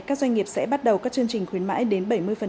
các doanh nghiệp sẽ bắt đầu các chương trình khuyến mãi đến bảy mươi